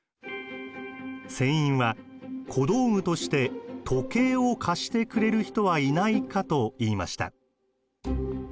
船員は「小道具として時計を貸してくれる人はいないか」と言いました。